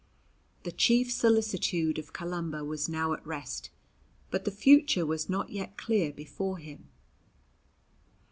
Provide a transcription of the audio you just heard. The chief solicitude of Columba was now at rest, but the future was not yet clear before him.